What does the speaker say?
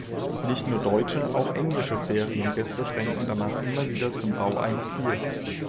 Nicht nur deutsche, auch englische Feriengäste drängten danach immer wieder zum Bau einer Kirche.